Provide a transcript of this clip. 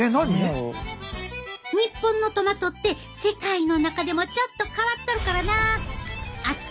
日本のトマトって世界の中でもちょっと変わっとるからなあ。